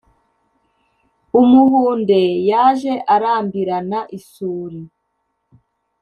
umuhunde yaje arambirana isuli